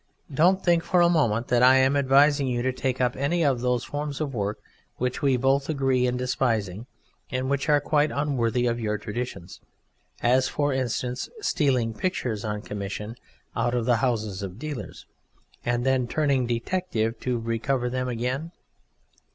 Don't think for a moment that I am advising you to take up any of those forms of work which we both agree in despising, and which are quite unworthy of your traditions, as for instance stealing pictures on commission out of the houses of dealers and then turning detective to recover them again.